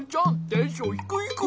テンションひくひく。